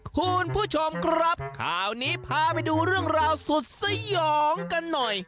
คุณผู้ชมครับข่าวนี้พาไปดูเรื่องราวสุดสยองกันหน่อย